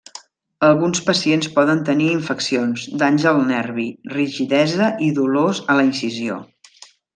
Alguns pacients poden tenir infeccions, danys al nervi, rigidesa i dolors a la incisió.